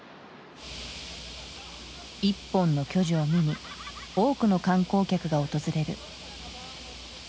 一本の巨樹を見に多くの観光客が訪れる。